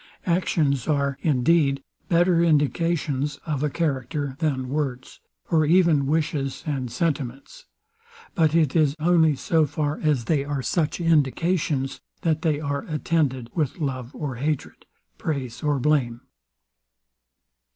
Actions are, indeed, better indications of a character than words, or even wishes and sentiments; but it is only so far as they are such indications, that they are attended with love or hatred, praise or blame.